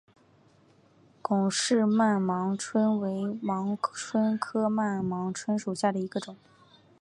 龚氏曼盲蝽为盲蝽科曼盲蝽属下的一个种。